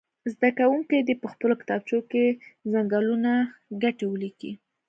زده کوونکي دې په خپلو کتابچو کې د څنګلونو ګټې ولیکي.